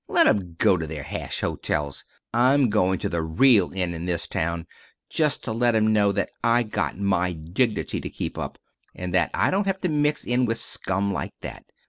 Let 'em go to their hash hotels. I'm goin' to the real inn in this town just to let 'em know that I got my dignity to keep up, and that I don't have to mix in with scum like that.